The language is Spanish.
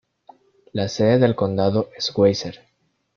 La sede del condado es Weiser.